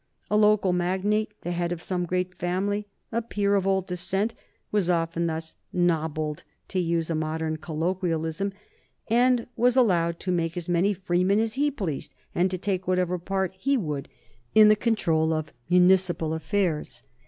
A local magnate, the head of some great family, a peer of old descent, was often thus "nobbled" to use a modern colloquialism and was allowed to make as many freemen as he pleased and to take whatever part he would in the control of municipal affairs.